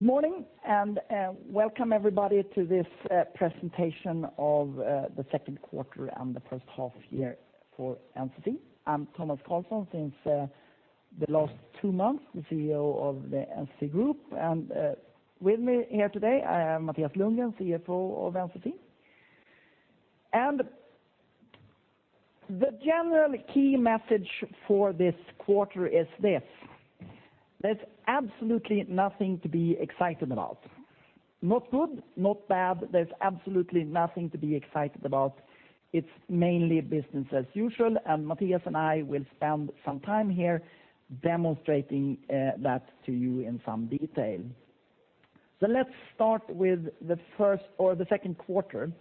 Morning, and, welcome everybody to this, presentation of, the Q2 and the first half year for NCC. I'm Tomas Carlsson, since, the last two months, the CEO of the NCC group. And, with me here today, I have Mattias Lundgren, CFO of NCC. And the general key message for this quarter is this: There's absolutely nothing to be excited about. Not good, not bad, there's absolutely nothing to be excited about. It's mainly business as usual, and Mattias and I will spend some time here demonstrating, that to you in some detail. So let's start with the first or the Q2.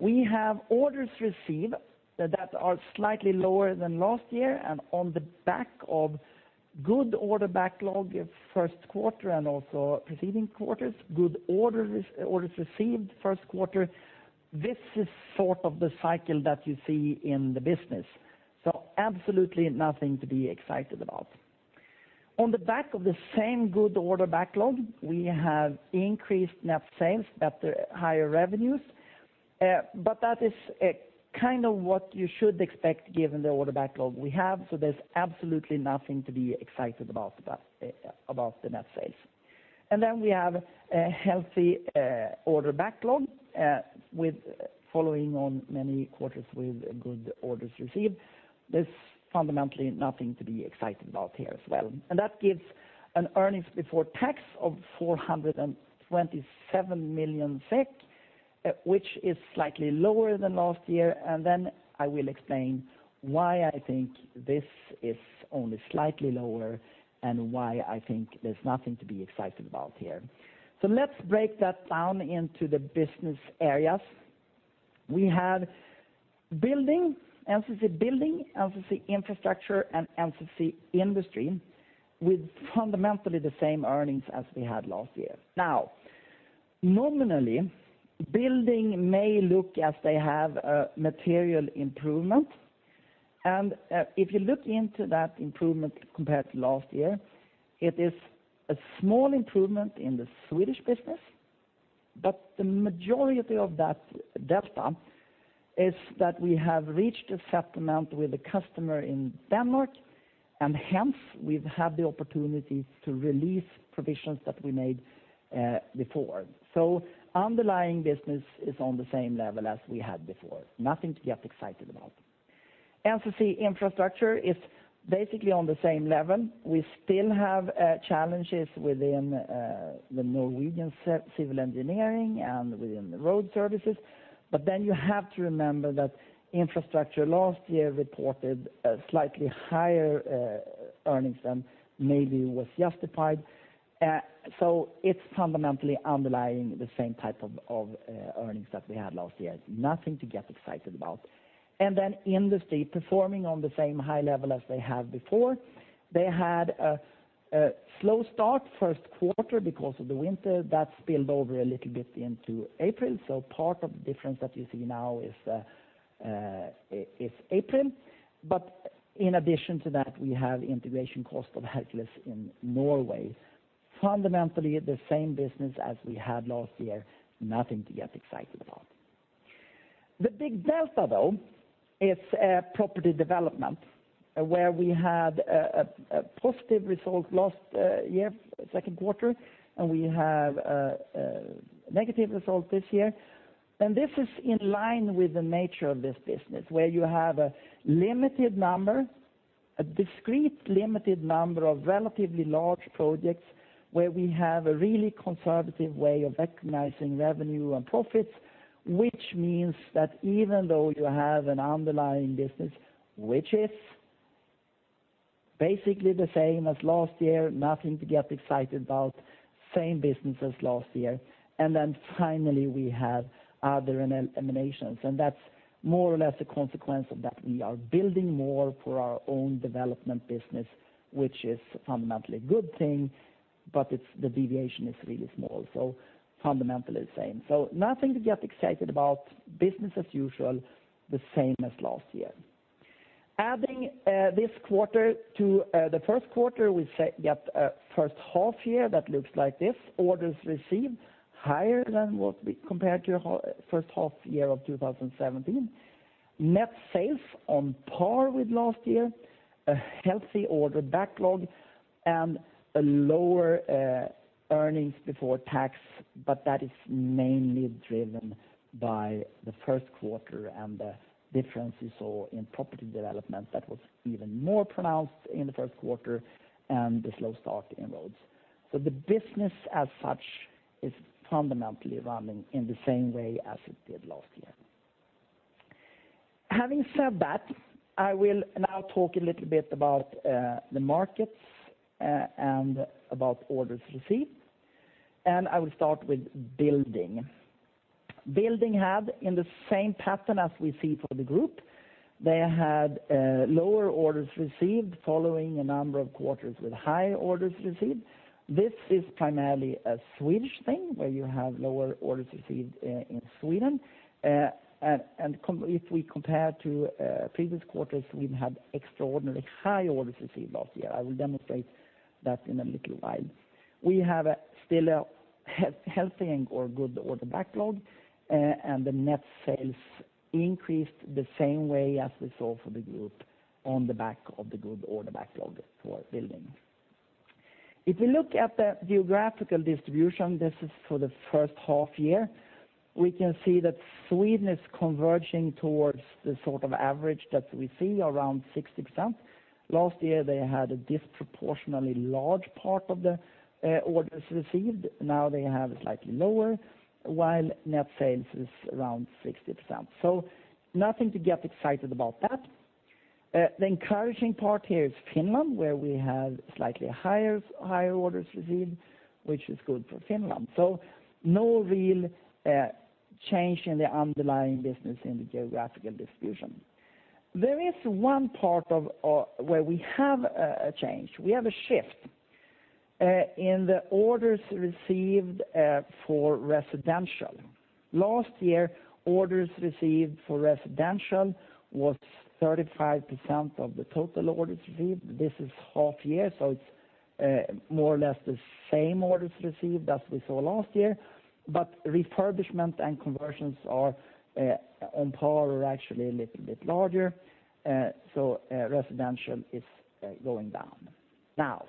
We have orders received that, that are slightly lower than last year, and on the back of good order backlog of Q1 and also preceding quarters, good order orders received Q1. This is sort of the cycle that you see in the business, so absolutely nothing to be excited about. On the back of the same good order backlog, we have increased net sales at the higher revenues, but that is, kind of what you should expect given the order backlog we have, so there's absolutely nothing to be excited about that, about the net sales. And then we have a healthy, order backlog, with following on many quarters with good orders received. There's fundamentally nothing to be excited about here as well. And that gives an earnings before tax of 427 million SEK, which is slightly lower than last year. And then I will explain why I think this is only slightly lower, and why I think there's nothing to be excited about here. So let's break that down into the business areas. We had building, NCC Building, NCC Infrastructure, and NCC Industry, with fundamentally the same earnings as we had last year. Now, nominally, building may look as they have a material improvement, and if you look into that improvement compared to last year, it is a small improvement in the Swedish business. But the majority of that delta is that we have reached a settlement with a customer in Denmark, and hence, we've had the opportunity to release provisions that we made before. So underlying business is on the same level as we had before. Nothing to get excited about. NCC Infrastructure is basically on the same level. We still have challenges within the Norwegian civil engineering and within the road services. But then you have to remember that infrastructure last year reported a slightly higher earnings than maybe was justified. So it's fundamentally underlying the same type of, of, earnings that we had last year. Nothing to get excited about. Then industry, performing on the same high level as they have before. They had a slow start Q1 because of the winter. That spilled over a little bit into April, so part of the difference that you see now is April. But in addition to that, we have integration cost of Hercules in Norway. Fundamentally, the same business as we had last year, nothing to get excited about. The big delta, though, is property development, where we had a positive result last year, Q2, and we have a negative result this year. And this is in line with the nature of this business, where you have a limited number, a discrete, limited number of relatively large projects, where we have a really conservative way of recognizing revenue and profits. Which means that even though you have an underlying business, which is basically the same as last year, nothing to get excited about, same business as last year. And then finally, we have other ramifications, and that's more or less a consequence of that we are building more for our own development business, which is fundamentally a good thing, but it's, the deviation is really small. So fundamentally the same. So nothing to get excited about. Business as usual, the same as last year. Adding this quarter to the Q1, we get a first half year that looks like this. Orders received, higher than what we compared to the first half year of 2017. Net sales on par with last year, a healthy order backlog, and a lower earnings before tax, but that is mainly driven by the Q1 and the differences in property development that was even more pronounced in the Q1 and the slow start in roads. So the business as such is fundamentally running in the same way as it did last year. Having said that, I will now talk a little bit about the markets and about orders received, and I will start with building. Building had, in the same pattern as we see for the group. They had lower orders received following a number of quarters with high orders received. This is primarily a Swedish thing, where you have lower orders received in Sweden. If we compare to previous quarters, we've had extraordinarily high orders received last year. I will demonstrate that in a little while. We have a still healthy and, or good order backlog, and the net sales increased the same way as we saw for the group on the back of the good order backlog for building. If you look at the geographical distribution, this is for the first half year, we can see that Sweden is converging towards the sort of average that we see around 60%. Last year they had a disproportionately large part of the orders received. Now they have slightly lower, while net sales is around 60%. So nothing to get excited about that. The encouraging part here is Finland, where we have slightly higher orders received, which is good for Finland. So no real change in the underlying business in the geographical distribution. There is one part of where we have a change. We have a shift in the orders received for residential. Last year, orders received for residential was 35% of the total orders received. This is half year, so it's more or less the same orders received as we saw last year. But refurbishment and conversions are on par or actually a little bit larger, so residential is going down. Now,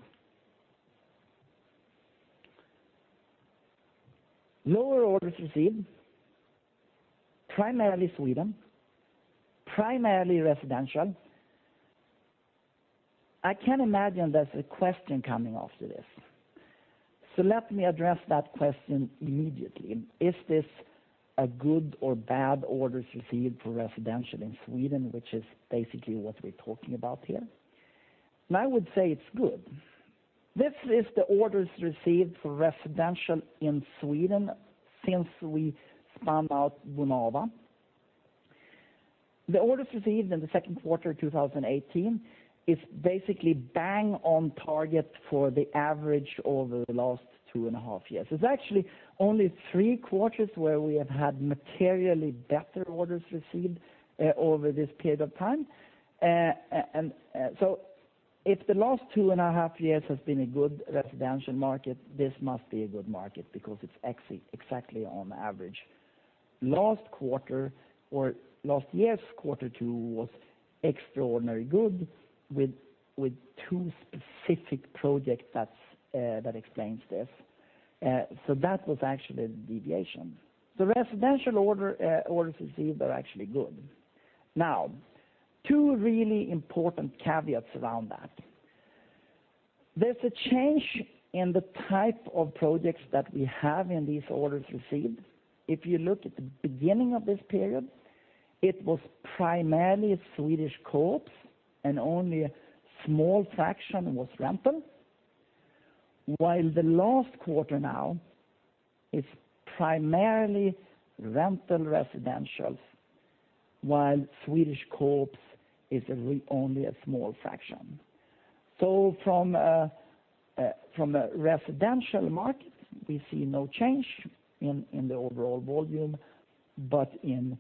lower orders received, primarily Sweden, primarily residential. I can imagine there's a question coming after this, so let me address that question immediately. Is this a good or bad orders received for residential in Sweden, which is basically what we're talking about here? I would say it's good. This is the orders received for residential in Sweden since we spun out Bonava. The orders received in the Q2 of 2018 is basically bang on target for the average over the last two and a half years. It's actually only Q3s where we have had materially better orders received over this period of time. And so if the last two and a half years has been a good residential market, this must be a good market because it's exactly on average. Last quarter or last year's Q2 was extraordinarily good with two specific projects that explains this. So that was actually the deviation. So residential order, orders received are actually good. Now, two really important caveats around that. There's a change in the type of projects that we have in these orders received. If you look at the beginning of this period, it was primarily Swedish co-ops, and only a small fraction was rental. While the last quarter now is primarily rental residentials, while Swedish co-ops is really only a small fraction. From a residential market, we see no change in the overall volume, but in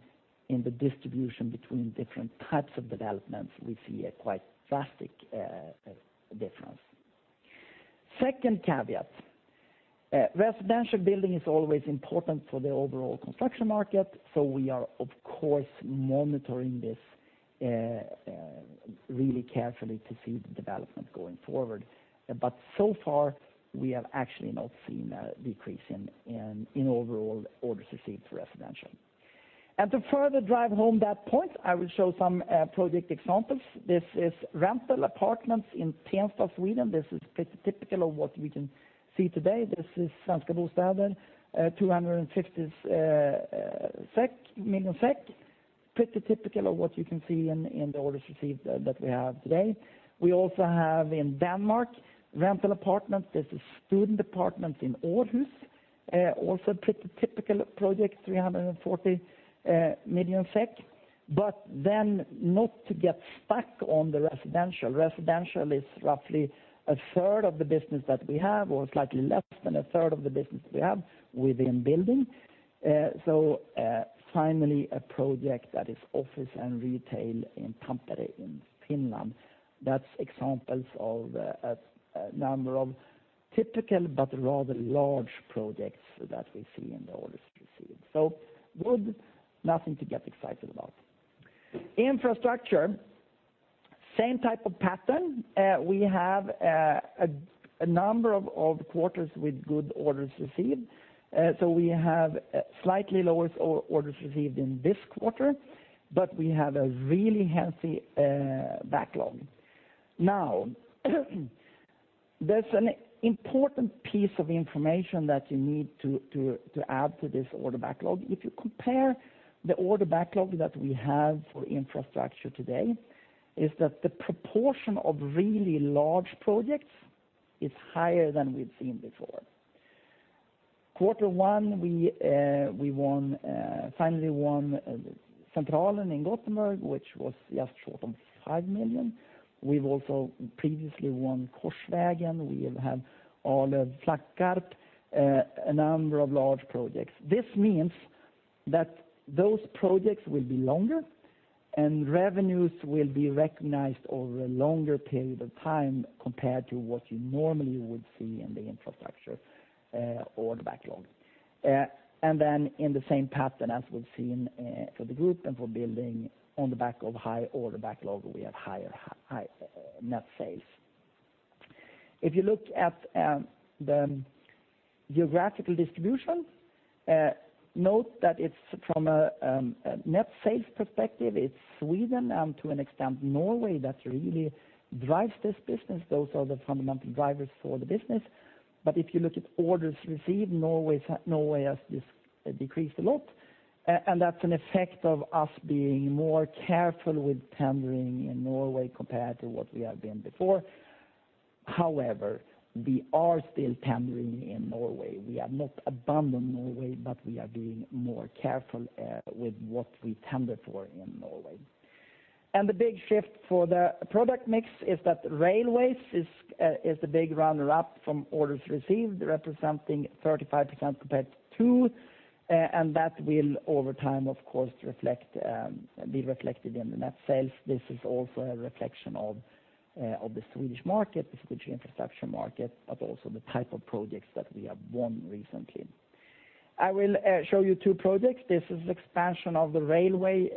the distribution between different types of developments, we see a quite drastic difference. Second caveat, residential building is always important for the overall construction market, so we are, of course, monitoring this really carefully to see the development going forward. So far, we have actually not seen a decrease in overall orders received for residential. To further drive home that point, I will show some project examples. This is rental apartments in Tensta, Sweden. This is pretty typical of what we can see today. This is Svenska Bostäder, 250 million SEK. Pretty typical of what you can see in, in the orders received that we have today. We also have in Denmark, rental apartments. This is student apartments in Aarhus, also pretty typical project, 340 million SEK. But then not to get stuck on the residential, residential is roughly a third of the business that we have, or slightly less than a third of the business we have within building. So, finally, a project that is office and retail in Tampere, in Finland. That's examples of, a number of typical but rather large projects that we see in the orders received. So good, nothing to get excited about. Infrastructure, same type of pattern. We have a number of quarters with good orders received. So we have slightly lower orders received in this quarter, but we have a really healthy backlog. Now, there's an important piece of information that you need to add to this order backlog. If you compare the order backlog that we have for infrastructure today, is that the proportion of really large projects is higher than we've seen before. Q1, we finally won Centralen in Gothenburg, which was just short of 5 million. We've also previously won Korsvägen, we have had Arlöv, Slaggharp, a number of large projects. This means that those projects will be longer, and revenues will be recognized over a longer period of time compared to what you normally would see in the infrastructure order backlog. And then in the same pattern as we've seen for the group and for building on the back of high order backlog, we have higher, high net sales. If you look at the geographical distribution, note that it's from a net sales perspective, it's Sweden, and to an extent, Norway, that really drives this business. Those are the fundamental drivers for the business. If you look at orders received, Norway has just decreased a lot. That's an effect of us being more careful with tendering in Norway compared to what we have been before. However, we are still tendering in Norway. We have not abandoned Norway, but we are being more careful with what we tender for in Norway. The big shift for the product mix is that railways is the big runner-up from orders received, representing 35% compared to 2%, and that will, over time, of course, reflect, be reflected in the net sales. This is also a reflection of the Swedish market, the Swedish infrastructure market, but also the type of projects that we have won recently. I will show you 2 projects. This is expansion of the railway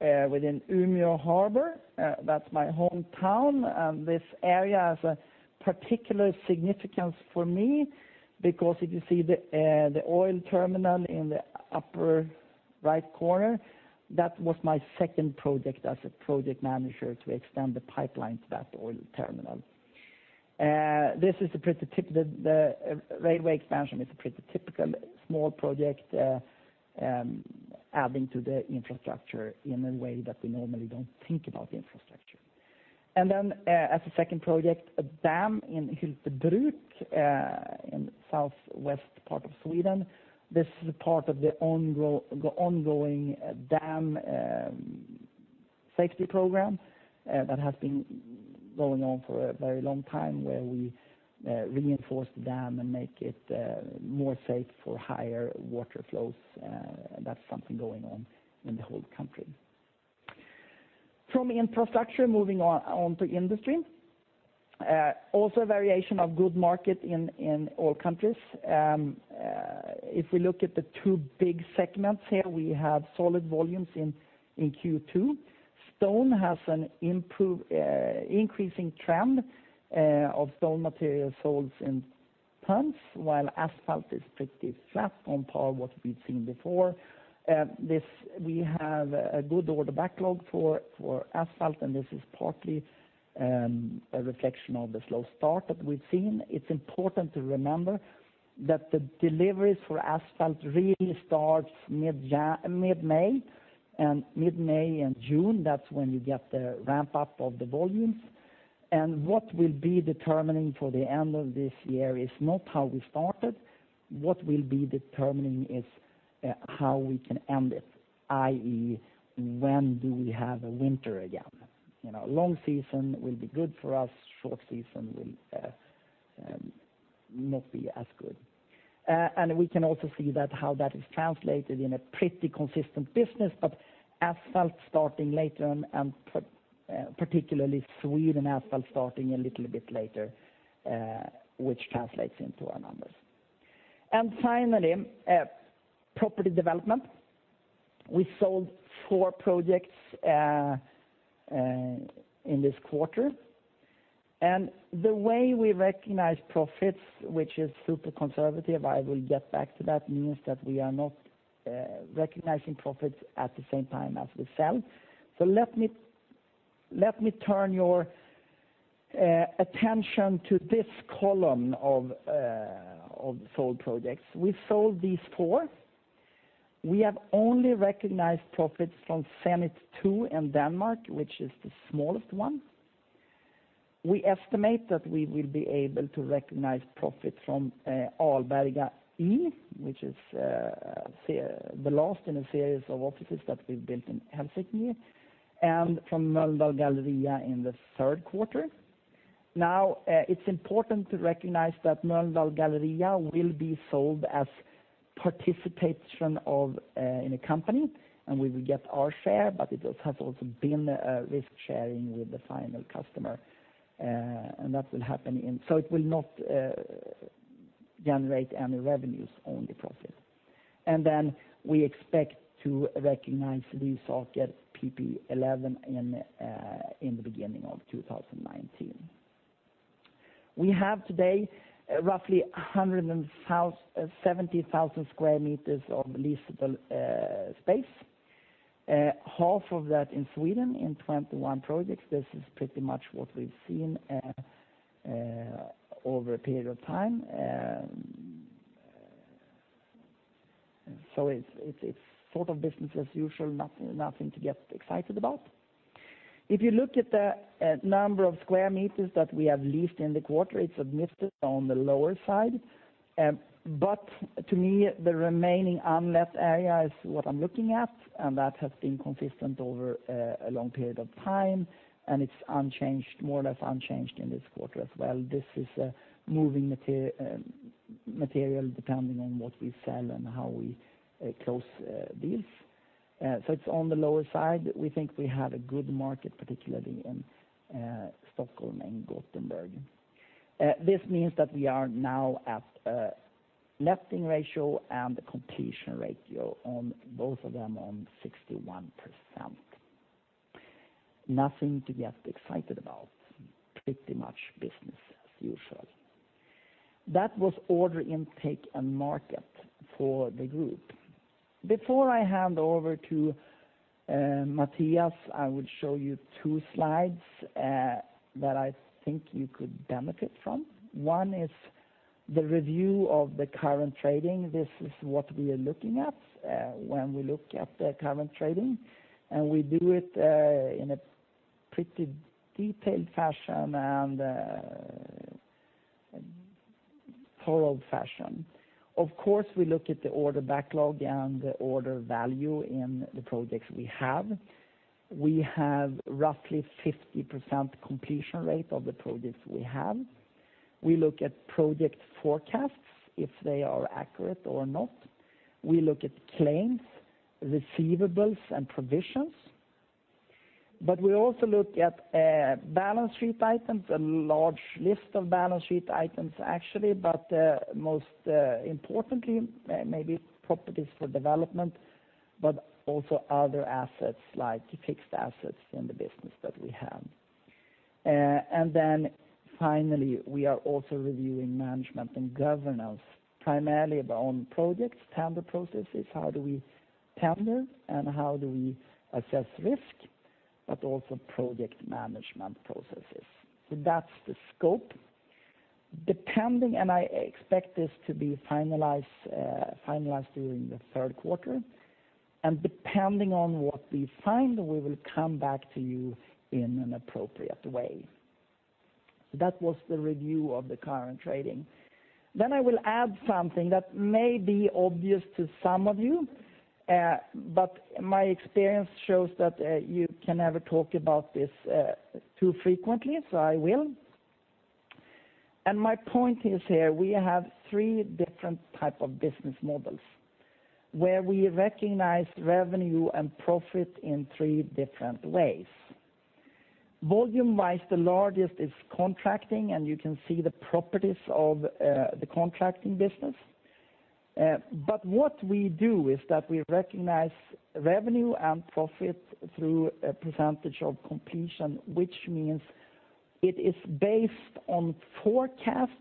within Umeå Harbor. That's my hometown, and this area has a particular significance for me, because if you see the oil terminal in the upper right corner, that was my second project as a project manager to extend the pipeline to that oil terminal. This is a pretty typical small project, adding to the infrastructure in a way that we normally don't think about the infrastructure. And then, as a second project, a dam in Hyltebruk, in southwest part of Sweden. This is part of the ongoing dam safety program that has been going on for a very long time, where we reinforce the dam and make it more safe for higher water flows. That's something going on in the whole country. From infrastructure, moving on to industry. Also a variation of good market in all countries. If we look at the two big segments here, we have solid volumes in Q2. Stone has an improving trend of stone material sold in tons, while asphalt is pretty flat on par with what we've seen before. This, we have a good order backlog for asphalt, and this is partly a reflection of the slow start that we've seen. It's important to remember that the deliveries for asphalt really starts mid-May, and mid-May and June, that's when you get the ramp-up of the volumes. And what will be determining for the end of this year is not how we started, what will be determining is how we can end it, i.e., when do we have a winter again? You know, a long season will be good for us, short season will not be as good. And we can also see that, how that is translated in a pretty consistent business, but asphalt starting later on, and particularly Sweden asphalt starting a little bit later, which translates into our numbers. And finally, property development. We sold four projects in this quarter. And the way we recognize profits, which is super conservative, I will get back to that, means that we are not recognizing profits at the same time as we sell. So let me turn your attention to this column of sold projects. We sold these four. We have only recognized profits from Zenit 2 in Denmark, which is the smallest one. We estimate that we will be able to recognize profit from Alberga E, which is the last in a series of offices that we've built in Helsinki, and from Mölndal Galleria in the Q3. Now, it's important to recognize that Mölndal Galleria will be sold as participation in a company, and we will get our share, but it has also been risk sharing with the final customer. That will happen in so it will not generate any revenues, only profit. We expect to recognize the Lisaseket PP11 in the beginning of 2019. We have today roughly 100,000–70,000 sq m of leasable space. Half of that in Sweden, in 21 projects. This is pretty much what we've seen over a period of time. So it's sort of business as usual, nothing to get excited about. If you look at the number of square meters that we have leased in the quarter, it's admittedly on the lower side. But to me, the remaining unlet area is what I'm looking at, and that has been consistent over a long period of time, and it's unchanged, more or less unchanged in this quarter as well. This is a moving material, depending on what we sell and how we close deals. So it's on the lower side. We think we have a good market, particularly in Stockholm and Gothenburg. This means that we are now at a letting ratio and completion ratio on both of them on 61%. Nothing to get excited about, pretty much business as usual. That was order intake and market for the group. Before I hand over to Mattias, I would show you two slides that I think you could benefit from. One is the review of the current trading. This is what we are looking at when we look at the current trading, and we do it in a pretty detailed fashion, and thorough fashion. Of course, we look at the order backlog and the order value in the projects we have. We have roughly 50% completion rate of the projects we have. We look at project forecasts, if they are accurate or not. We look at claims, receivables, and provisions. But we also look at balance sheet items, a large list of balance sheet items, actually, but most importantly, maybe properties for development, but also other assets, like fixed assets in the business that we have. And then finally, we are also reviewing management and governance, primarily of our own projects, tender processes, how do we tender, and how do we assess risk, but also project management processes. So that's the scope. Depending, and I expect this to be finalized during the Q3, and depending on what we find, we will come back to you in an appropriate way. That was the review of the current trading. Then I will add something that may be obvious to some of you, but my experience shows that you can never talk about this too frequently, so I will. My point is here, we have three different type of business models, where we recognize revenue and profit in three different ways. Volume-wise, the largest is contracting, and you can see the properties of the contracting business. What we do is that we recognize revenue and profit through a percentage of completion, which means it is based on forecasts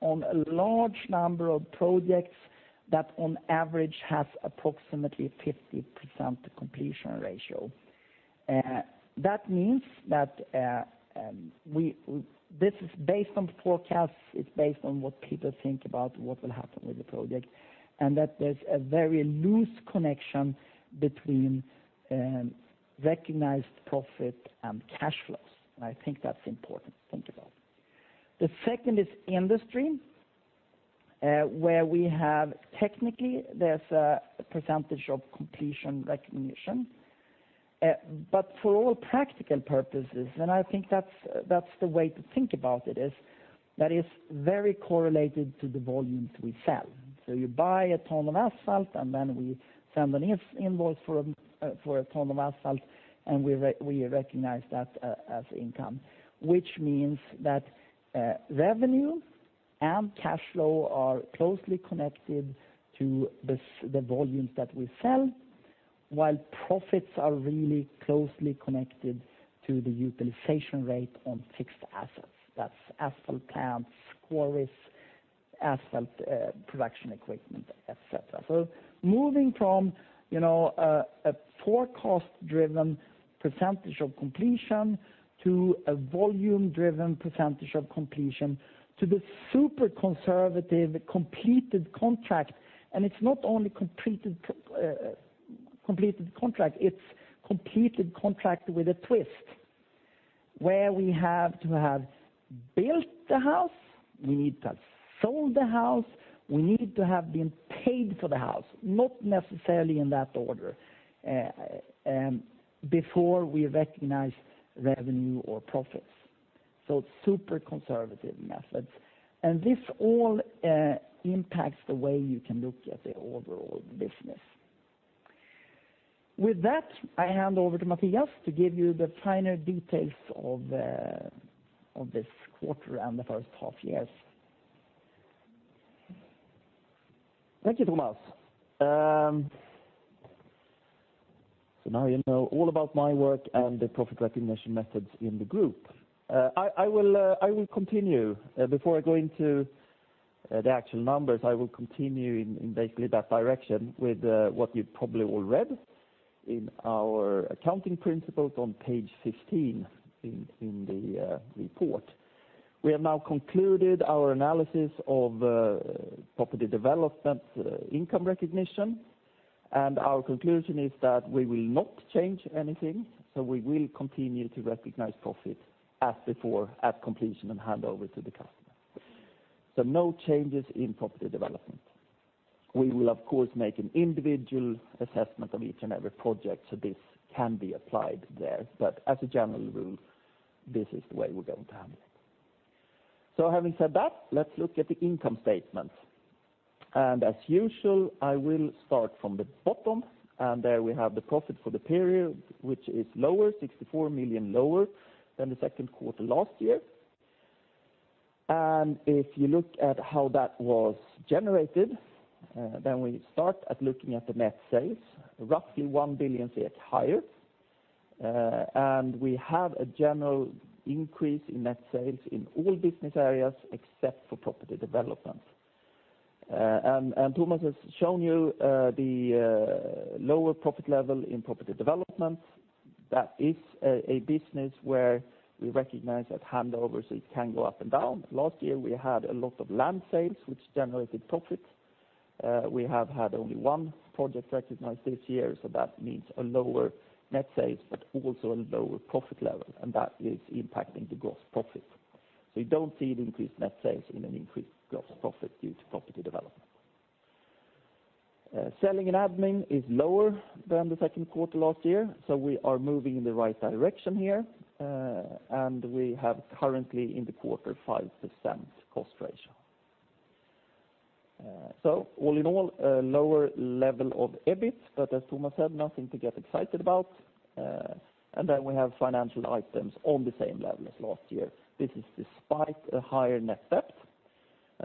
on a large number of projects that on average has approximately 50% completion ratio. That means that this is based on forecasts, it's based on what people think about what will happen with the project, and that there's a very loose connection between recognized profit and cash flows, and I think that's important to think about. The second is industry, where we have technically there's a percentage of completion recognition. But for all practical purposes, and I think that's, that's the way to think about it, is that it's very correlated to the volumes we sell. So you buy a ton of asphalt, and then we send an invoice for, for a ton of asphalt, and we recognize that as income. Which means that, revenue and cash flow are closely connected to the volumes that we sell, while profits are really closely connected to the utilization rate on fixed assets. That's asphalt plants, quarries, asphalt, production equipment, et cetera. So moving from, you know, a forecast-driven percentage of completion to a volume-driven percentage of completion to the super conservative completed contract, and it's not only completed contract, it's completed contract with a twist, where we have to have built the house, we need to have sold the house, we need to have been paid for the house, not necessarily in that order, before we recognize revenue or profits. So super conservative methods. And this all impacts the way you can look at the overall business. With that, I hand over to Mattias to give you the finer details of this quarter and the first half years. Thank you, Tomas. So now you know all about my work and the profit recognition methods in the group. I will continue before I go into the actual numbers, I will continue in basically that direction with what you've probably all read in our accounting principles on page 15 in the report. We have now concluded our analysis of property development, income recognition, and our conclusion is that we will not change anything, so we will continue to recognize profit as before, at completion and handover to the customer. So no changes in property development. We will, of course, make an individual assessment of each and every project, so this can be applied there. But as a general rule, this is the way we're going to handle it. So having said that, let's look at the income statement. As usual, I will start from the bottom, and there we have the profit for the period, which is lower, 64 million lower than the Q2 last year. And if you look at how that was generated, then we start at looking at the net sales, roughly 1 billion higher. And we have a general increase in net sales in all business areas except for property development. And Tomas has shown you the lower profit level in property development. That is a business where we recognize at handovers; it can go up and down. Last year, we had a lot of land sales, which generated profit. We have had only one project recognized this year, so that means a lower net sales, but also a lower profit level, and that is impacting the gross profit. So you don't see the increased net sales in an increased gross profit due to property development. Selling and admin is lower than the Q2 last year, so we are moving in the right direction here, and we have currently in the quarter, 5% cost ratio. So all in all, a lower level of EBIT, but as Thomas said, nothing to get excited about. And then we have financial items on the same level as last year. This is despite a higher net debt.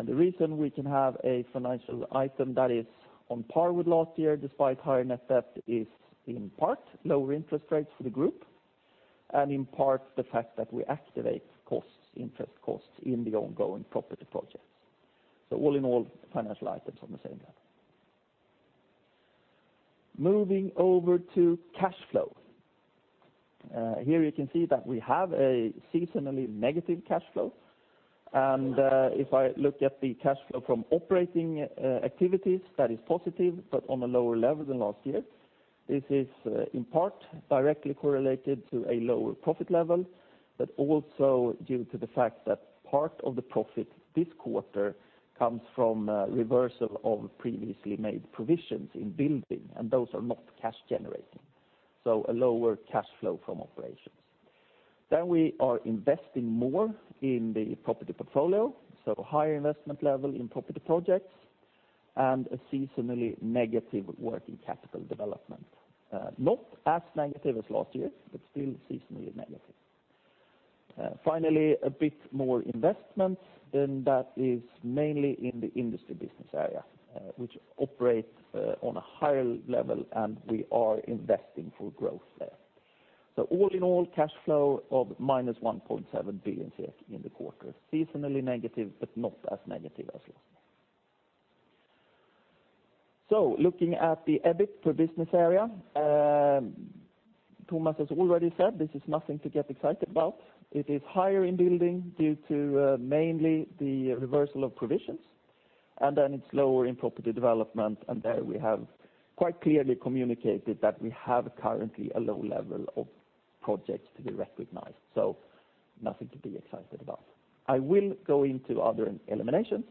The reason we can have a financial item that is on par with last year, despite higher net debt, is in part lower interest rates for the group, and in part, the fact that we activate costs, interest costs, in the ongoing property projects. All in all, financial items on the same level. Moving over to cash flow. Here you can see that we have a seasonally negative cash flow, and if I look at the cash flow from operating activities, that is positive, but on a lower level than last year. This is, in part, directly correlated to a lower profit level, but also due to the fact that part of the profit this quarter comes from reversal of previously made provisions in building, and those are not cash generating, so a lower cash flow from operations. Then we are investing more in the property portfolio, so higher investment level in property projects, and a seasonally negative working capital development. Not as negative as last year, but still seasonally negative. Finally, a bit more investment, and that is mainly in the industry business area, which operates on a higher level, and we are investing for growth there. So all in all, cash flow of -1.7 billion in the quarter. Seasonally negative, but not as negative as last year. So looking at the EBIT per business area, Thomas has already said this is nothing to get excited about. It is higher in building due to mainly the reversal of provisions, and then it's lower in property development, and there we have quite clearly communicated that we have currently a low level of projects to be recognized, so nothing to be excited about. I will go into other eliminations,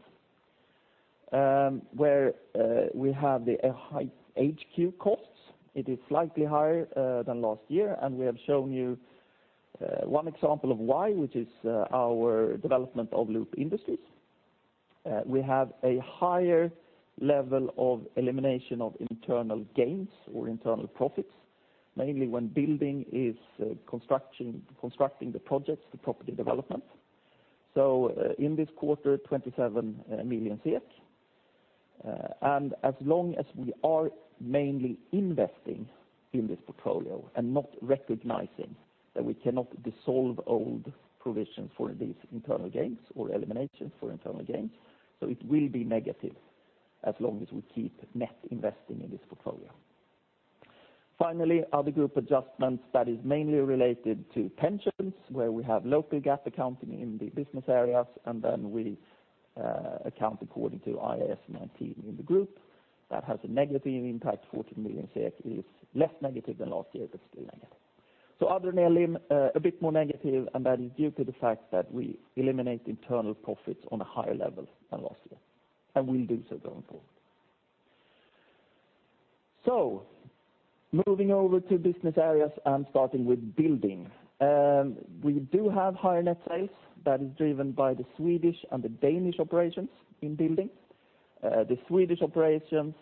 where we have a high HQ costs. It is slightly higher than last year, and we have shown you one example of why, which is our development of Loop Industries. We have a higher level of elimination of internal gains or internal profits, mainly when building is constructing the projects, the property development. So, in this quarter, 27 million SEK, and as long as we are mainly investing in this portfolio and not recognizing that we cannot dissolve old provisions for these internal gains or eliminations for internal gains, so it will be negative as long as we keep net investing in this portfolio. Finally, other group adjustments that is mainly related to pensions, where we have local GAAP accounting in the business areas, and then we account according to IAS 19 in the group. That has a negative impact, 14 million is less negative than last year, but still negative. So other than ELIM, a bit more negative, and that is due to the fact that we eliminate internal profits on a higher level than last year, and will do so going forward. So moving over to business areas and starting with building. We do have higher net sales that is driven by the Swedish and the Danish operations in building. The Swedish operations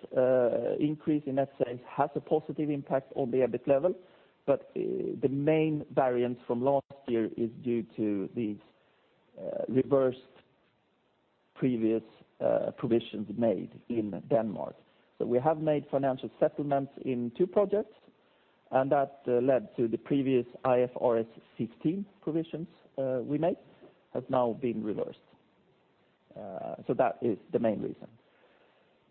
increase in net sales has a positive impact on the EBIT level, but the main variance from last year is due to these reversed previous provisions made in Denmark. So we have made financial settlements in two projects, and that led to the previous IFRS 15 provisions we made has now been reversed. So that is the main reason.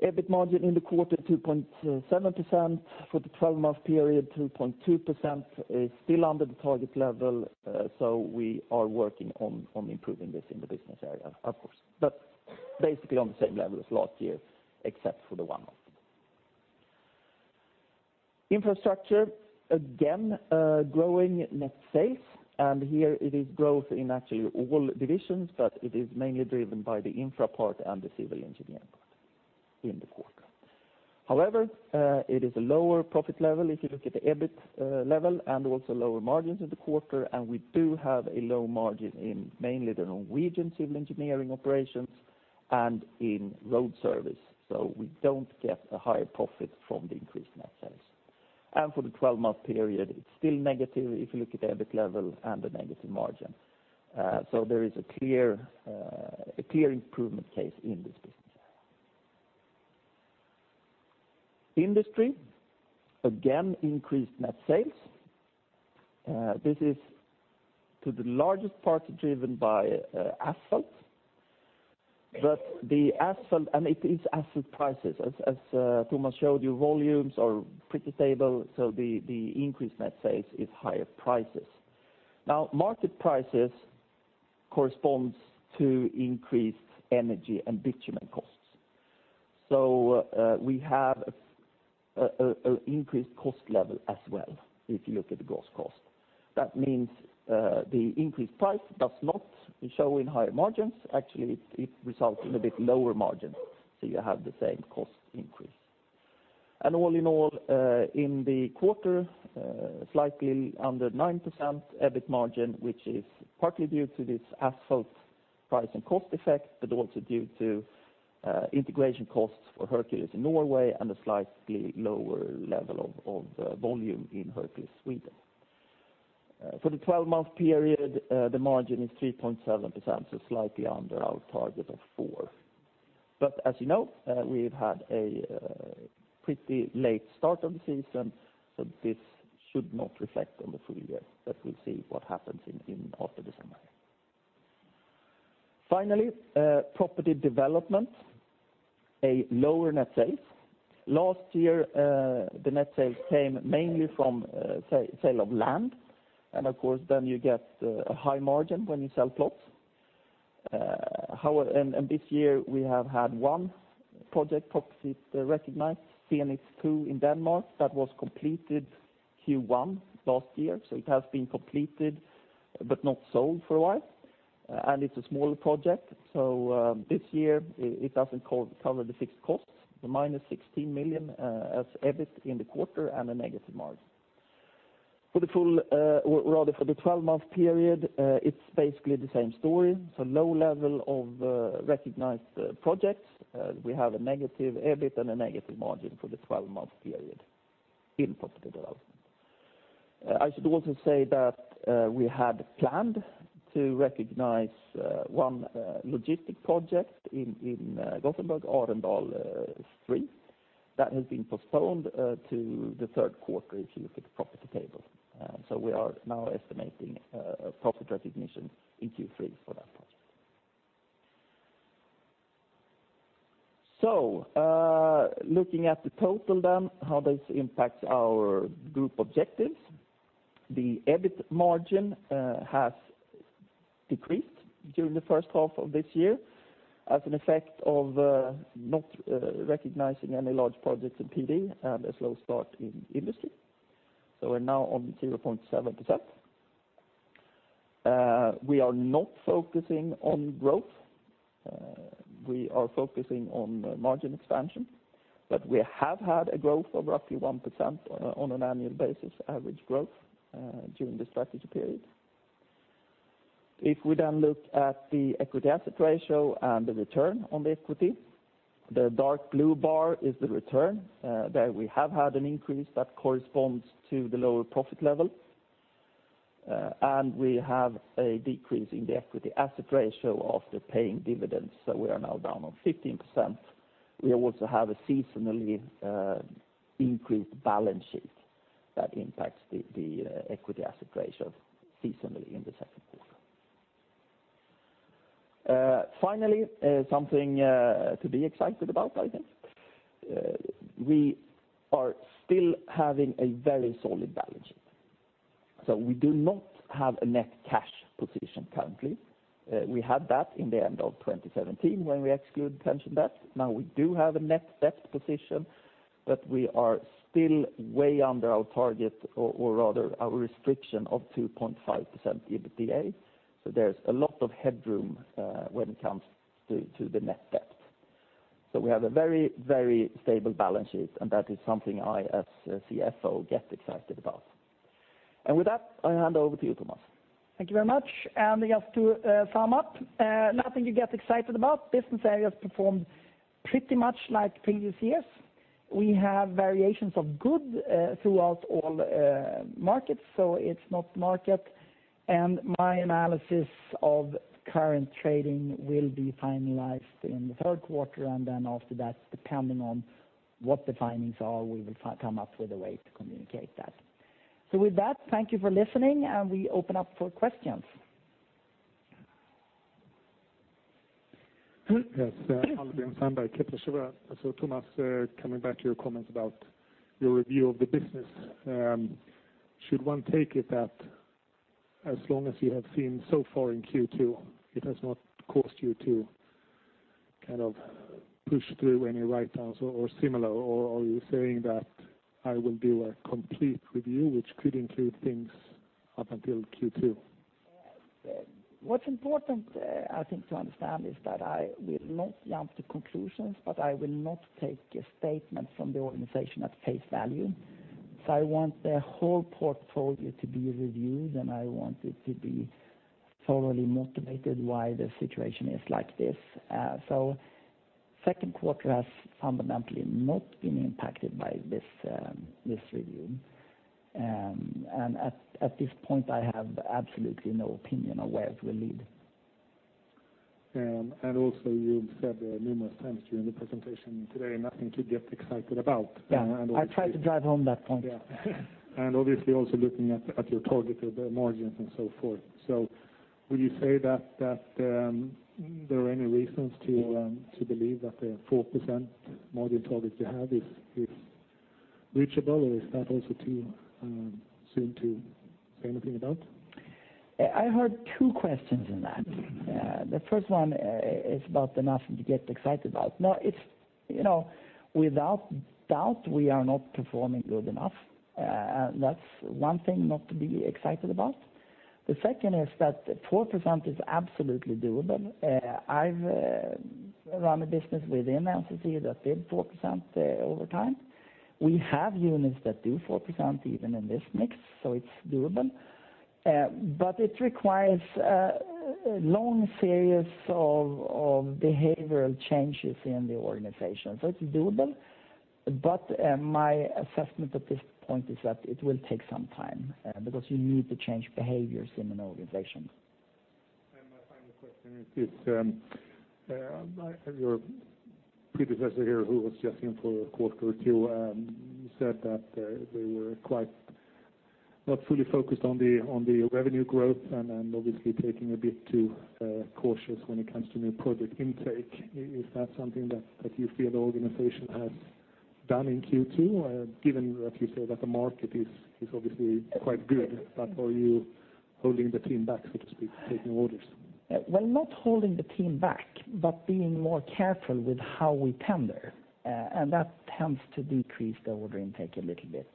EBIT margin in the quarter, 2.7%. For the 12-month period, 2.2% is still under the target level, so we are working on improving this in the business area, of course. But basically on the same level as last year, except for the one month. Infrastructure, again, growing net sales, and here it is growth in actually all divisions, but it is mainly driven by the infra part and the civil engineering part in the quarter. However, it is a lower profit level if you look at the EBIT level, and also lower margins in the quarter, and we do have a low margin in mainly the Norwegian civil engineering operations and in road service. So we don't get a higher profit from the increased net sales. And for the twelve-month period, it's still negative if you look at the EBIT level and the negative margin. So there is a clear, a clear improvement case in this business area. Industry, again, increased net sales. This is to the largest part driven by asphalt, but the asphalt, and it is asphalt prices. Tomas showed you, volumes are pretty stable, so the increased net sales is higher prices. Now, market prices corresponds to increased energy and bitumen costs. So, we have an increased cost level as well, if you look at the gross cost. That means, the increased price does not show in higher margins. Actually, it results in a bit lower margin, so you have the same cost increase. And all in all, in the quarter, slightly under 9% EBIT margin, which is partly due to this asphalt price and cost effect, but also due to integration costs for Hercules in Norway and a slightly lower level of volume in Hercules, Sweden. For the twelve-month period, the margin is 3.7%, so slightly under our target of 4%. As you know, we've had a pretty late start of the season, so this should not reflect on the full year, but we'll see what happens after December. Finally, property development, a lower net sales. Last year, the net sales came mainly from sale of land, and of course, then you get a high margin when you sell plots. However, this year we have had one project, Property, Recognize Zenit 2 in Denmark, that was completed Q1 last year. So it has been completed, but not sold for a while, and it's a smaller project. This year, it doesn't cover the fixed costs, the -16 million as EBIT in the quarter and a negative margin. For the full, or rather for the twelve-month period, it's basically the same story. So low level of recognized projects. We have a negative EBIT and a negative margin for the twelve-month period in property development. I should also say that, we had planned to recognize one logistic project in Gothenburg, Arendal 3. That has been postponed to the Q3, if you look at the property table. So, we are now estimating a profit recognition in Q3 for that project. So, looking at the total then, how this impacts our group objectives. The EBIT margin has decreased during the first half of this year as an effect of not recognizing any large projects in PD and a slow start in industry. So we're now on 0.7%. We are not focusing on growth, we are focusing on margin expansion, but we have had a growth of roughly 1% on an annual basis, average growth, during the strategy period. If we then look at the Equity Asset Ratio and the Return on Equity, the dark blue bar is the return, there we have had an increase that corresponds to the lower profit level. We have a decrease in the Equity Asset Ratio after paying dividends, so we are now down on 15%. We also have a seasonally increased balance sheet that impacts the Equity Asset Ratio seasonally in the Q2. Finally, something to be excited about, I think. We are still having a very solid balance sheet. So we do not have a net cash position currently. We had that in the end of 2017 when we exclude pension debt. Now, we do have a net debt position, but we are still way under our target or, or rather our restriction of 2.5% EBITDA. So there's a lot of headroom, when it comes to, to the net debt. So we have a very, very stable balance sheet, and that is something I, as CFO, get excited about. And with that, I hand over to you, Tomas. Thank you very much. And just to sum up, nothing to get excited about. Business areas performed pretty much like previous years. We have variations of good throughout all markets, so it's not market. And my analysis of current trading will be finalized in the Q3, and then after that, depending on what the findings are, we will come up with a way to communicate that. So with that, thank you for listening, and we open up for questions. Yes, Albin Sandberg, Kepler Cheuvreux. So Tomas, coming back to your comments about your review of the business, should one take it that as long as you have seen so far in Q2, it has not caused you to kind of push through any write-downs or, or similar? Or are you saying that I will do a complete review, which could include things up until Q2? What's important, I think to understand is that I will not jump to conclusions, but I will not take a statement from the organization at face value. So I want the whole portfolio to be reviewed, and I want it to be thoroughly motivated why the situation is like this. So Q2 has fundamentally not been impacted by this, this review. And at this point, I have absolutely no opinion on where it will lead. Also you've said numerous times during the presentation today, nothing to get excited about. Yeah, I tried to drive home that point. Yeah. And obviously also looking at your target of the margins and so forth. So would you say that there are any reasons to believe that the 4% margin target you have is reachable, or is that also too soon to say anything about? I heard two questions in that. The first one is about enough to get excited about. Now, it's, you know, without doubt, we are not performing good enough. That's one thing not to be excited about. The second is that 4% is absolutely doable. I've run a business within NCC that did 4% over time. We have units that do 4% even in this mix, so it's doable. But it requires a long series of behavioral changes in the organization. So it's doable, but my assessment at this point is that it will take some time because you need to change behaviors in an organization. My final question is, your predecessor here, who was just in for a Q2, said that they were quite not fully focused on the revenue growth and obviously taking a bit too cautious when it comes to new project intake. Is that something that you feel the organization has done in Q2, given that you say that the market is obviously quite good, but are you holding the team back, so to speak, taking orders? Well, not holding the team back, but being more careful with how we tender, and that tends to decrease the order intake a little bit.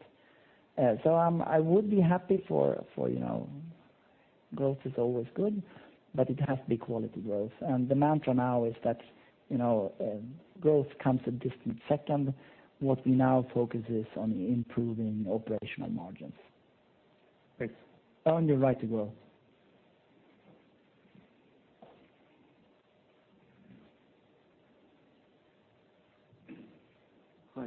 So I would be happy for, you know, growth is always good, but it has to be quality growth. And the mantra now is that, you know, growth comes a distant second. What we now focus is on improving operational margins. Thanks. Oh, and you're right to go. Hi, Tobias from ABG. I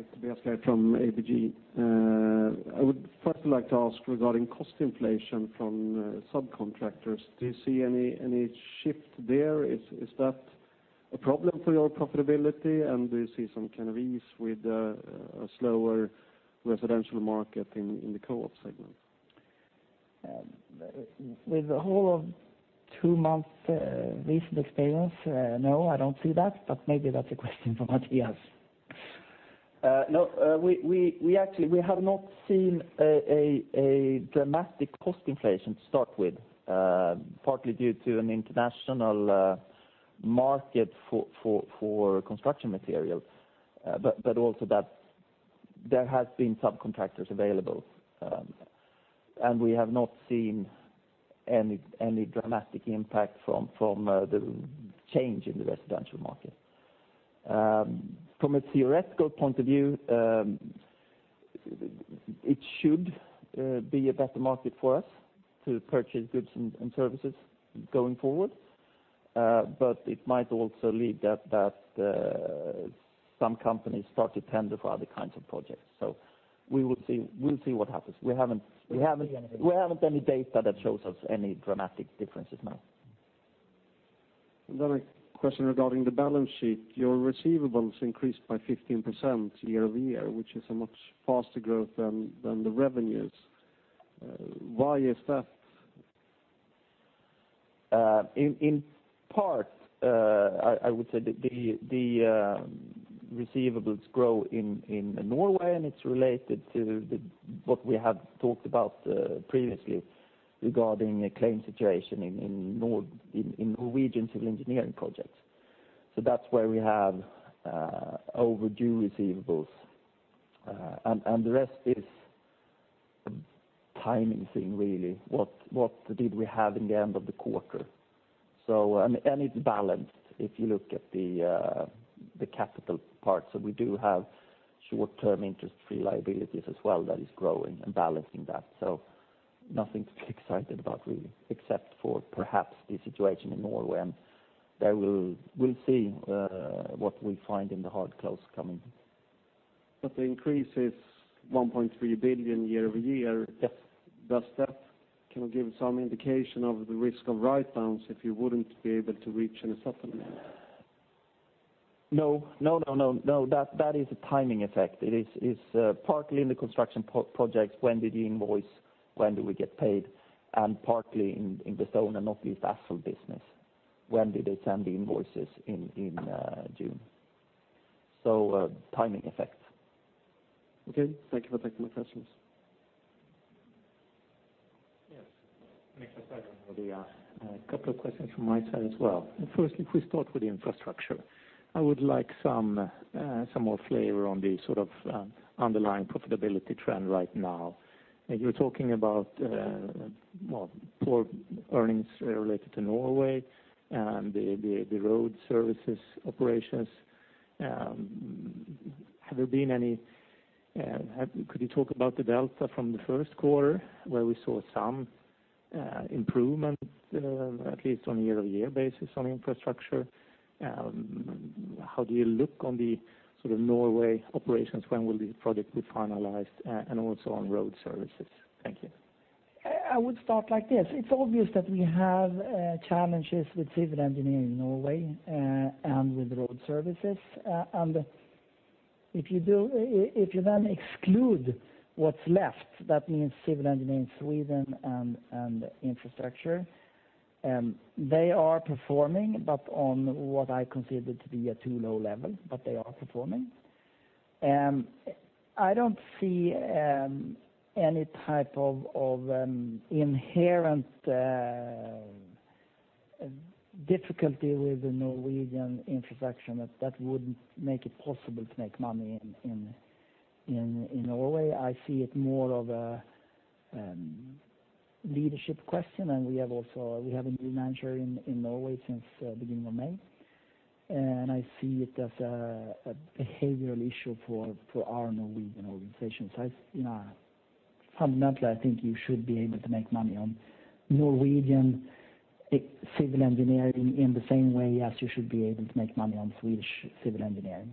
would first like to ask regarding cost inflation from subcontractors. Do you see any, any shift there? Is, is that a problem for your profitability, and do you see some kind of ease with a slower residential market in, in the co-op segment? With a whole of two-month recent experience, no, I don't see that, but maybe that's a question for Mattias. No, we actually have not seen a dramatic cost inflation to start with, partly due to an international market for construction materials, but also that there has been subcontractors available. And we have not seen any dramatic impact from the change in the residential market. From a theoretical point of view, it should be a better market for us to purchase goods and services going forward. But it might also lead that some companies start to tender for other kinds of projects. So we will see, we'll see what happens. We haven't any data that shows us any dramatic differences now. Another question regarding the balance sheet. Your receivables increased by 15% year-over-year, which is a much faster growth than, than the revenues. Why is that? In part, I would say the receivables grow in Norway, and it's related to what we have talked about previously regarding a claim situation in Norwegian civil engineering projects. So that's where we have overdue receivables, and the rest is a timing thing, really. What did we have in the end of the quarter? So, and it's balanced if you look at the capital part. So we do have short-term interest-free liabilities as well that is growing and balancing that. So nothing to be excited about, really, except for perhaps the situation in Norway, and there we'll see what we find in the hard close coming. The increase is 1.3 billion year-over-year. Yes. Does that kind of give some indication of the risk of write-downs if you wouldn't be able to reach any settlement? No, no, no, no, no, that is a timing effect. It is partly in the construction pro-projects, when did you invoice, when do we get paid? And partly in the stone and northeast asphalt business. When did they send the invoices in June? So, timing effects. Okay. Thank you for taking my questions. Yes, next question will be, a couple of questions from my side as well. Firstly, if we start with the infrastructure, I would like some, some more flavor on the sort of, underlying profitability trend right now. You're talking about, well, poor earnings related to Norway, and the road services operations. Have there been any, could you talk about the delta from the Q1, where we saw some, improvement, at least on a year-over-year basis on infrastructure? How do you look on the sort of Norway operations? When will the project be finalized, and also on road services? Thank you. I would start like this: It's obvious that we have challenges with civil engineering in Norway and with road services. And if you do—if you then exclude what's left, that means civil engineering in Sweden and infrastructure, they are performing, but on what I consider to be a too low level, but they are performing. I don't see any type of inherent difficulty with the Norwegian infrastructure that wouldn't make it possible to make money in Norway. I see it more of a leadership question, and we have also, we have a new manager in Norway since beginning of May. And I see it as a behavioral issue for our Norwegian organization. I, you know, fundamentally, I think you should be able to make money on Norwegian civil engineering in the same way as you should be able to make money on Swedish civil engineering.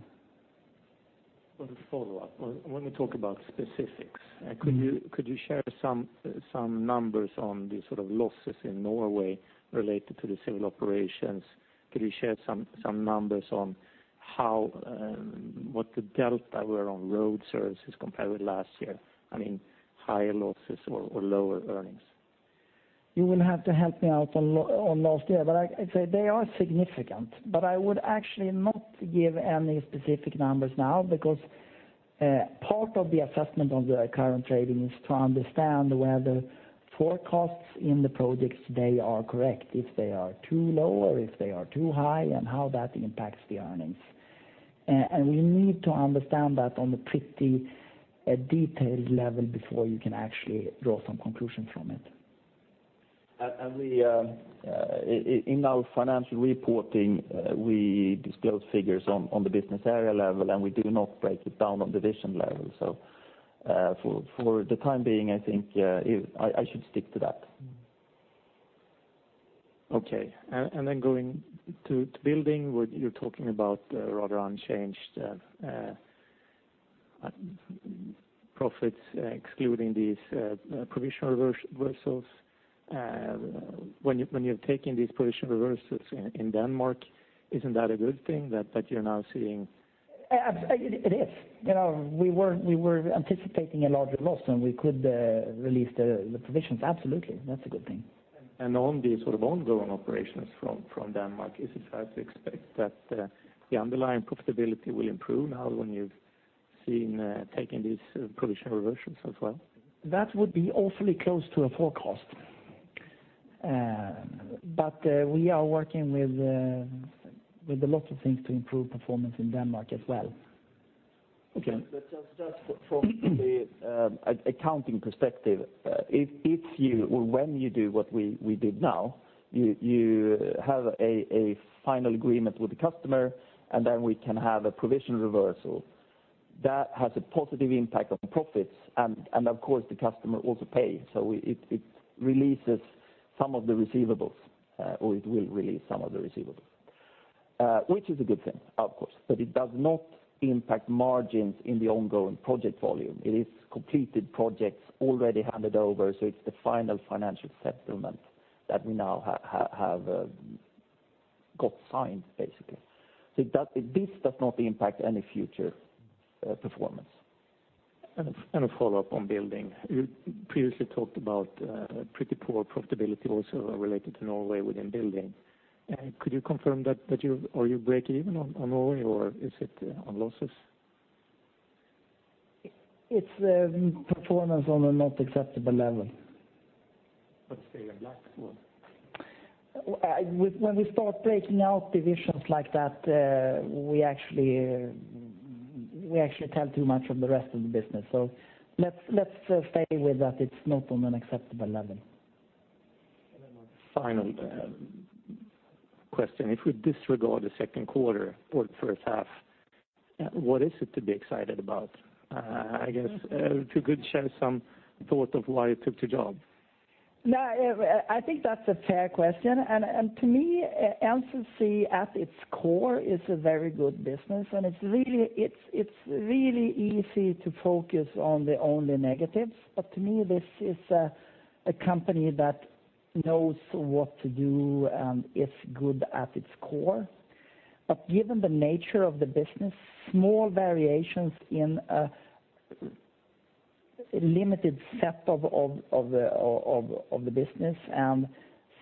Well, to follow up, well, let me talk about specifics. Mm-hmm. Could you, could you share some, some numbers on the sort of losses in Norway related to the civil operations? Could you share some, some numbers on how, what the delta were on road services compared with last year? I mean, higher losses or, or lower earnings. You will have to help me out on last year, but I'd say they are significant. But I would actually not give any specific numbers now, because part of the assessment on the current trading is to understand whether forecasts in the projects today are correct, if they are too low or if they are too high, and how that impacts the earnings. And we need to understand that on a pretty detailed level before you can actually draw some conclusions from it. And we, in our financial reporting, we disclose figures on the business area level, and we do not break it down on division level. So, for the time being, I think, I should stick to that. Okay. And then going to building, what you're talking about, rather unchanged profits, excluding these provision reversals. When you're taking these provision reversals in Denmark, isn't that a good thing, that you're now seeing? It is. You know, we were anticipating a larger loss, and we could release the provisions. Absolutely, that's a good thing. On the sort of ongoing operations from Denmark, is it fair to expect that the underlying profitability will improve now when you've seen taking these provision reversals as well? That would be awfully close to a forecast. But, we are working with a lot of things to improve performance in Denmark as well. Okay. But just, just from the, accounting perspective, if, if you or when you do what we, we did now, you, you have a, a final agreement with the customer, and then we can have a provision reversal. That has a positive impact on profits, and, and of course, the customer also pays, so it, it releases some of the receivables, or it will release some of the receivables. Which is a good thing, of course, but it does not impact margins in the ongoing project volume. It is completed projects already handed over, so it's the final financial settlement that we now have, got signed, basically. So that, this does not impact any future, performance. A follow-up on building. You previously talked about pretty poor profitability also related to Norway within building. Could you confirm that you're... Are you break even on Norway, or is it on losses? It's performance on a not acceptable level. But still in black or what? When we start breaking out divisions like that, we actually tell too much of the rest of the business. So let's stay with that it's not on an acceptable level. Then my final question: If we disregard the Q2 or the first half, what is it to be excited about? I guess, if you could share some thought of why you took the job. No, I think that's a fair question, and to me, NCC at its core is a very good business, and it's really, it's really easy to focus on the negatives. But to me, this is a company that knows what to do and is good at its core. But given the nature of the business, small variations in a limited set of the business, and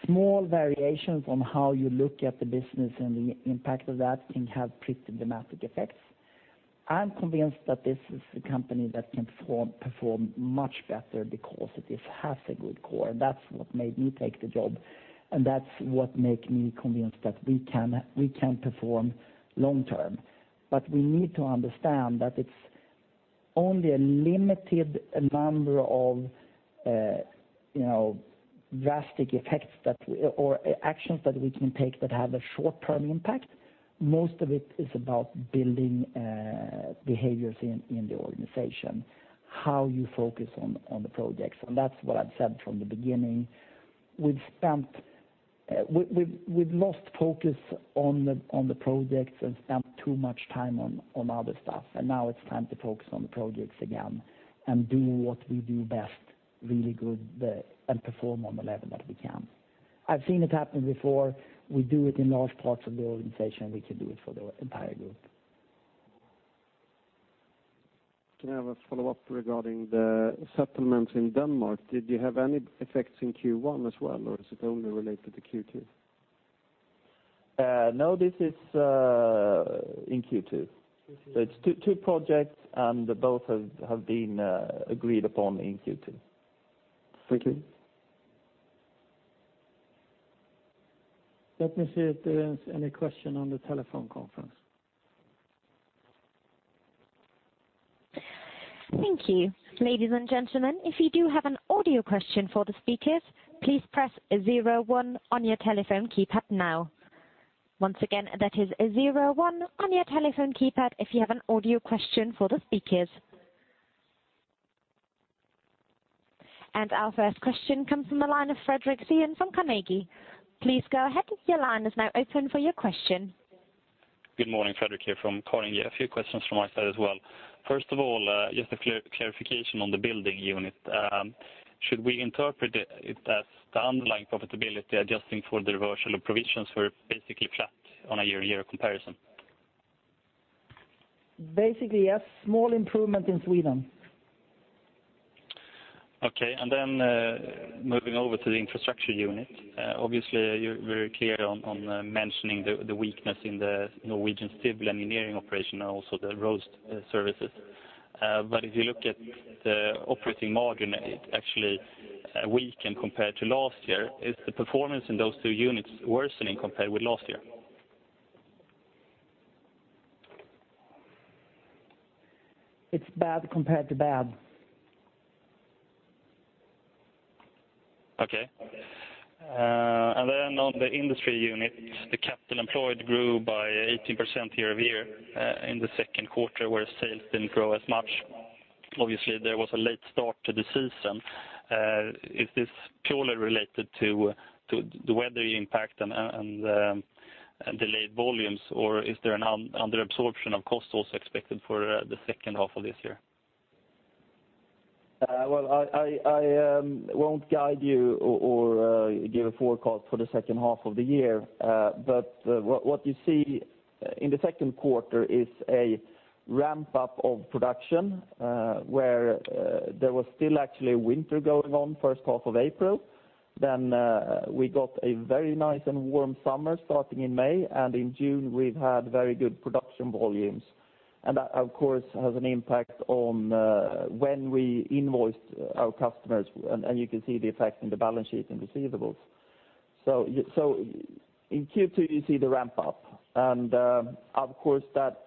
small variations on how you look at the business and the impact of that, can have pretty dramatic effects. I'm convinced that this is a company that can perform much better because it has a good core, and that's what made me take the job. And that's what make me convinced that we can perform long term. But we need to understand that it's only a limited number of, you know, drastic effects or actions that we can take that have a short-term impact. Most of it is about building behaviors in the organization, how you focus on the projects, and that's what I've said from the beginning. We've spent, we've lost focus on the projects and spent too much time on other stuff, and now it's time to focus on the projects again and do what we do best, really good, and perform on the level that we can. I've seen it happen before. We do it in large parts of the organization. We can do it for the entire group. Can I have a follow-up regarding the settlement in Denmark? Did you have any effects in Q1 as well, or is it only related to Q2? No, this is in Q2. Q2. It's two, two projects, and both have been agreed upon in Q2. Thank you. Let me see if there is any question on the telephone conference. Thank you. Ladies and gentlemen, if you do have an audio question for the speakers, please press zero-one on your telephone keypad now. Once again, that is zero-one on your telephone keypad if you have an audio question for the speakers. Our first question comes from the line of Fredrik from Carnegie. Please go ahead. Your line is now open for your question. Good morning. Fredrik here from Carnegie. A few questions from my side as well. First of all, just a clarification on the building unit. Should we interpret it as the underlying profitability, adjusting for the reversal of provisions were basically flat on a year-to-year comparison? Basically, yes, small improvement in Sweden. Okay, then, moving over to the infrastructure unit. Obviously, you're very clear on mentioning the weakness in the Norwegian civil engineering operation and also the road services. But if you look at the operating margin, it's actually weakened compared to last year. Is the performance in those two units worsening compared with last year? It's bad compared to bad. Okay. And then on the industry unit, the capital employed grew by 18% year-over-year in the Q2, where sales didn't grow as much. Obviously, there was a late start to the season. Is this purely related to the weather impact and delayed volumes, or is there an under absorption of costs also expected for the second half of this year? Well, I won't guide you or give a forecast for the second half of the year. But what you see in the Q2 is a ramp-up of production, where there was still actually winter going on first half of April. Then we got a very nice and warm summer starting in May, and in June we've had very good production volumes. And that, of course, has an impact on when we invoice our customers, and you can see the effect in the balance sheet and receivables. So in Q2, you see the ramp-up, and of course, that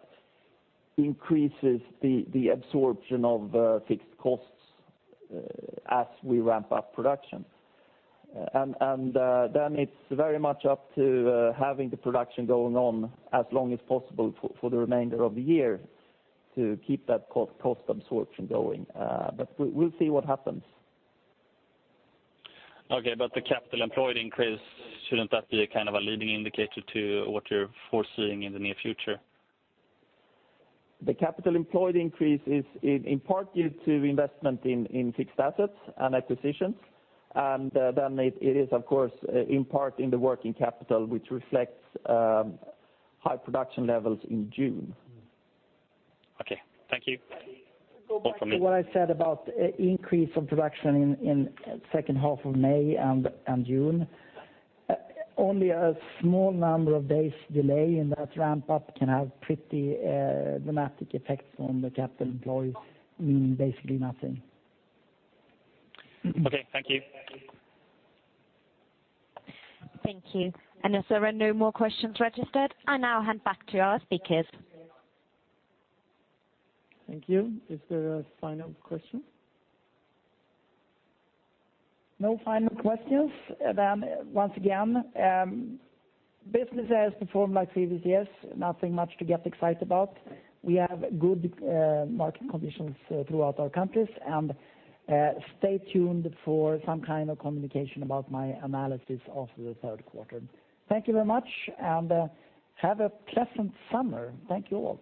increases the absorption of fixed costs as we ramp up production. Then it's very much up to having the production going on as long as possible for the remainder of the year to keep that cost absorption going. But we'll see what happens. Okay, but the capital employed increase, shouldn't that be a kind of a leading indicator to what you're foreseeing in the near future? The capital employed increase is in part due to investment in fixed assets and acquisitions. And then it is of course in part in the working capital, which reflects high production levels in June. Okay. Thank you. All for me. To go back to what I said about, increase of production in, in second half of May and, and June. Only a small number of days' delay in that ramp-up can have pretty, dramatic effects on the capital employed, meaning basically nothing. Okay, thank you. Thank you. As there are no more questions registered, I now hand back to our speakers. Thank you. Is there a final question? No final questions? Then once again, business has performed like previous years, nothing much to get excited about. We have good market conditions throughout our countries, and stay tuned for some kind of communication about my analysis of the Q3. Thank you very much, and have a pleasant summer. Thank you all.